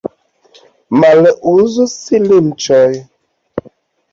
Male okazus linĉoj.